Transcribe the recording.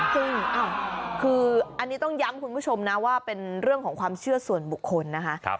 ซึ่งคืออันนี้ต้องย้ำคุณผู้ชมนะว่าเป็นเรื่องของความเชื่อส่วนบุคคลนะคะ